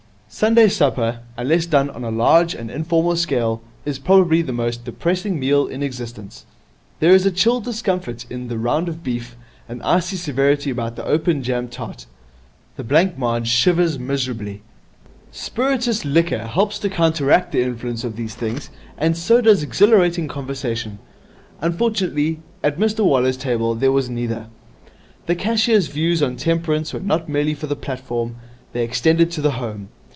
Sunday supper, unless done on a large and informal scale, is probably the most depressing meal in existence. There is a chill discomfort in the round of beef, an icy severity about the open jam tart. The blancmange shivers miserably. Spirituous liquor helps to counteract the influence of these things, and so does exhilarating conversation. Unfortunately, at Mr Waller's table there was neither. The cashier's views on temperance were not merely for the platform; they extended to the home.